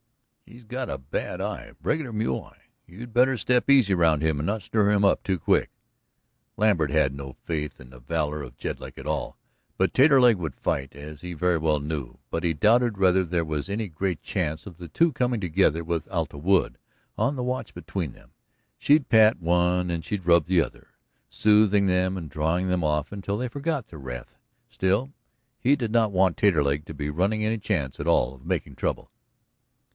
"He's got a bad eye, a regular mule eye. You'd better step easy around him and not stir him up too quick." Lambert had no faith in the valor of Jedlick at all, but Taterleg would fight, as he very well knew. But he doubted whether there was any great chance of the two coming together with Alta Wood on the watch between them. She'd pat one and she'd rub the other, soothing them and drawing them off until they forgot their wrath. Still, he did not want Taterleg to be running any chance at all of making trouble.